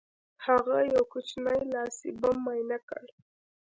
هغه یو کوچنی لاسي بم معاینه کړ